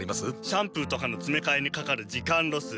シャンプーとかのつめかえにかかる時間ロス。